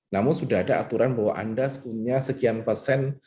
namun sudah ada aturan bahwa anda punya sekian persen